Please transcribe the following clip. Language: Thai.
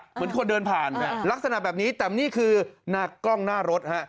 เหมือนคนเดินผ่านลักษณะแบบนี้แต่นี่คือหน้ากล้องหน้ารถฮะ